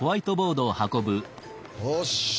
よし。